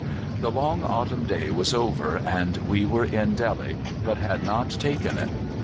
The long autumn day was over, and we were in Delhi, but had not taken it.